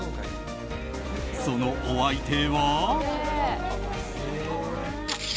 そのお相手は。